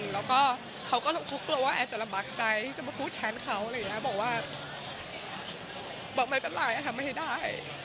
เพราะเค้าก็ต้องคุกกลัวว่าแอร์จะระบัดใกล้จะมาพูดแทนเค้าบอกว่าไม่เป็นไรทำไมให้ได้